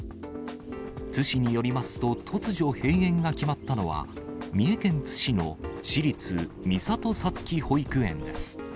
津市によりますと、突如、閉園が決まったのは、三重県津市の私立美里さつき保育園です。